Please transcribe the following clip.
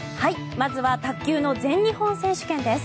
まずは卓球の全日本選手権です。